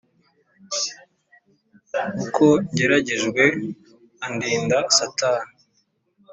Uko ngeragejwe andinda satani